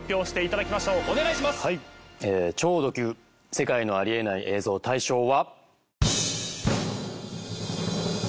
世界のありえない映像大賞は。